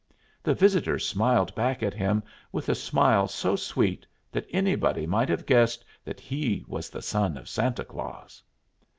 The visitor smiled back at him with a smile so sweet that anybody might have guessed that he was the son of Santa Claus.